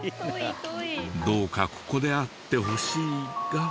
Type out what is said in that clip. どうかここであってほしいが。